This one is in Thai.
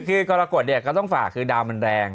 คือกรกฎเนี่ยก็ต้องฝากคือดาวมันแรง